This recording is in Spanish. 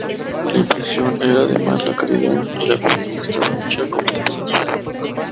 La impresión era de mala calidad y la cubierta estaba hecha con papel azul.